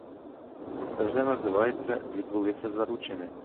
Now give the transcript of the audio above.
Це вже називається відбулися заручини.